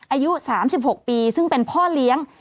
อายุ๓๖ปีซึ่งเป็นพ่อเลี้ยง